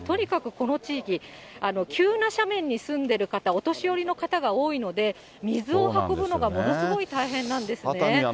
この地域、急な斜面に住んでる方、お年寄りの方が多いので、水を運ぶのがものすごい大変なんですね。